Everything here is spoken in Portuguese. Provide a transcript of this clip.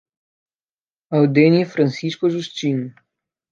Aldenir Francisco Justino